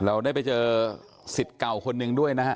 เราได้ไปเจอสิตเก่าคนหนึ่งด้วยนะครับ